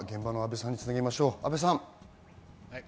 阿部さん。